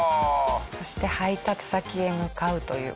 そして配達先へ向かうという事です。